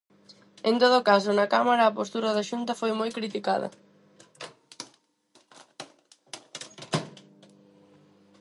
En todo caso, na Cámara a postura da Xunta foi moi criticada.